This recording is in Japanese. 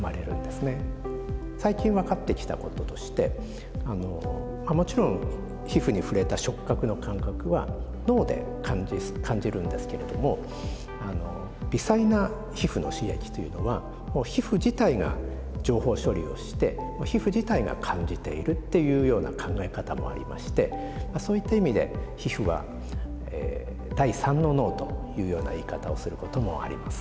最近分かってきたこととしてもちろん皮膚に触れた触覚の感覚は脳で感じるんですけれども微細な皮膚の刺激というのは皮膚自体が情報処理をして皮膚自体が感じているっていうような考え方もありましてそういった意味で皮膚は第３の脳というような言い方をすることもあります。